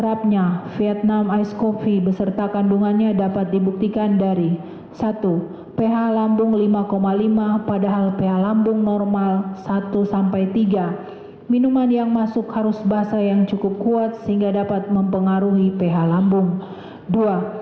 hal ini berdasar dan bersesuaian dengan keterangan ahli toksikologi forensik dr rednath imade agus gilgail wirasuta